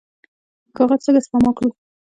کاغذ څنګه سپما کړو؟